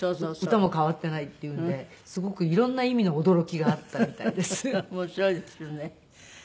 歌も変わっていないっていうんですごく色んな意味の驚きがあったみたいです。